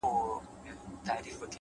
هوډ د ناامیدۍ ورېځې لرې کوي’